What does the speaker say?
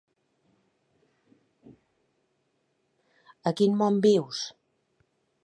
A quin món vius?